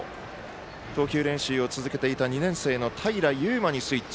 投球練習を続けてきた２年生の平悠真にスイッチ。